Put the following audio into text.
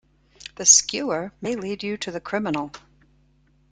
The skewer may lead you to the criminal.